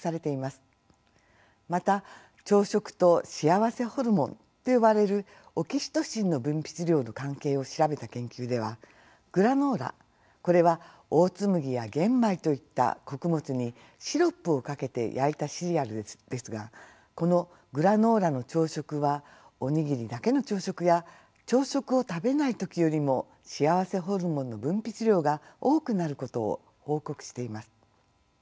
また朝食と幸せホルモンと呼ばれるオキシトシンの分泌量の関係を調べた研究ではグラノーラこれはオーツ麦や玄米といった穀物にシロップをかけて焼いたシリアルですがこのグラノーラの朝食はオニギリだけの朝食や朝食を食べない時よりも幸せホルモンの分泌量が多くなることを報告しています。